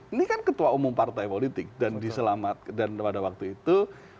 ini kan ketua umum partai politik dan pada waktu itu